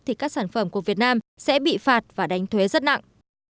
thì các sản phẩm của việt nam sẽ bị phạt và đánh thuế rất nặng